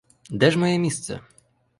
Де ж моє місце?